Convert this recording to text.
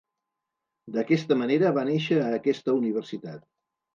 D'aquesta manera va néixer aquesta universitat.